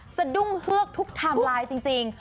สะดุ้งเฮือกทุกไทม์ไลน์จริง